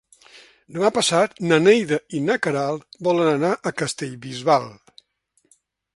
Demà passat na Neida i na Queralt volen anar a Castellbisbal.